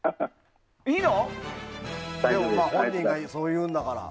本人がそう言うんだから。